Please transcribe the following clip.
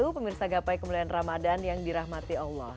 pemirsa gapai kemuliaan ramadan yang dirahmati allah